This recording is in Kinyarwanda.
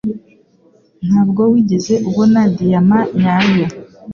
Ntabwo wigeze ubona diyama nyayo.